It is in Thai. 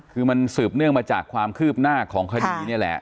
คือมันสืบเนื่องมาจากความคืบหน้าของคดีนี่แหละ